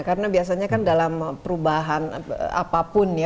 karena biasanya kan dalam perubahan apapun ya